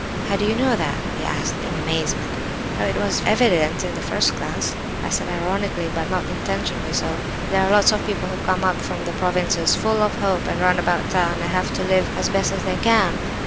"'How do you know that?' he asked in amazement. "'Oh, it was evident at the first glance,' I said ironically, but not intentionally so. 'There are lots of people who come up from the provinces full of hope, and run about town, and have to live as best they can.